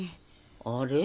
あれ？